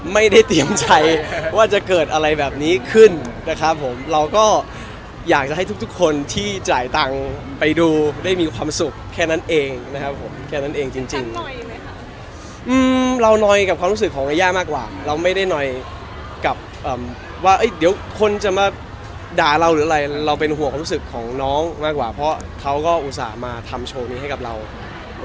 ไม่ได้เตรียมใจว่าจะเกิดอะไรแบบนี้ขึ้นนะครับผมเราก็อยากจะให้ทุกทุกคนที่จ่ายตังค์ไปดูได้มีความสุขแค่นั้นเองนะครับผมแค่นั้นเองจริงจริงหน่อยไหมคะอืมเราหน่อยกับความรู้สึกของยาย่ามากกว่าเราไม่ได้หน่อยกับว่าเดี๋ยวคนจะมาด่าเราหรืออะไรเราเป็นห่วงความรู้สึกของน้องมากกว่าเพราะเขาก็อุตส่าห์มาทำโชว์นี้ให้กับเรา